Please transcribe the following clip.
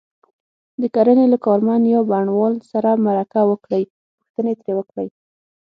د کرنې له کارمند یا بڼوال سره مرکه وکړئ او پوښتنې ترې وکړئ.